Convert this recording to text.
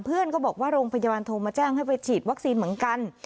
เพื่อนก็บอกว่าโรงพยาบาลโทรมาแจ้งให้ไปฉีดวัคซีนเหมือนกัน